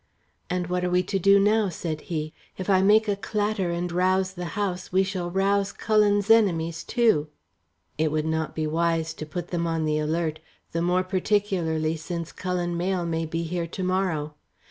"And what are we to do now?" said he. "If I make a clatter and rouse the house, we shall rouse Cullen's enemies, too." "It would not be wise to put them on the alert, the more particularly since Cullen Mayle may be here to morrow.